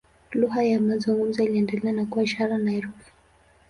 Lugha ya mazungumzo iliendelea na kuwa ishara na herufi.